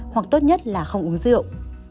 hoặc tốt nhất là không uống rượu